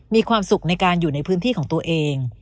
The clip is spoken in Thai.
มีความสุขในการอยู่ในพื้นที่ของตัวเอง